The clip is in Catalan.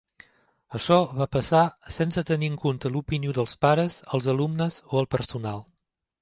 Això va passar sense tenir en compte l'opinió dels pares, els alumnes o el personal.